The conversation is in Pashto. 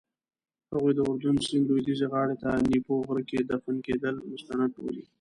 هغوی د اردن سیند لویدیځې غاړې ته نیپو غره کې دفن کېدل مستند بولي.